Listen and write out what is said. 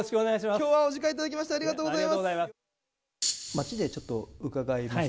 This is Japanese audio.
きょうはお時間いただきましありがとうございます。